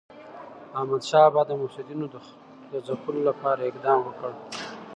احمدشاه بابا د مفسدینو د ځپلو لپاره اقدام وکړ.